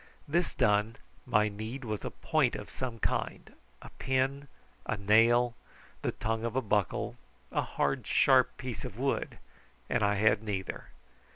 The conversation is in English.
This done, my need was a point of some kind a pin, a nail, the tongue of a buckle, a hard sharp piece of wood, and I had neither.